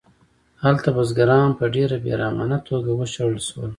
هلته بزګران په ډېره بې رحمانه توګه وشړل شول